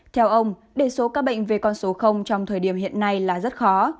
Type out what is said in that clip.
theo ông đề số các bệnh về con số trong thời điểm hiện nay là rất khó